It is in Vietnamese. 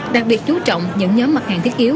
đặc biệt chú trọng những nhóm mặt hàng thiết yếu